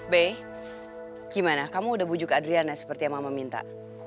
be gimana kamu udah bujuk adriana seperti yang mama minta